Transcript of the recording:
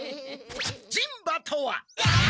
人馬とは！